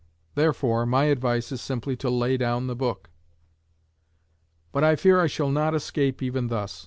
Therefore my advice is simply to lay down the book. But I fear I shall not escape even thus.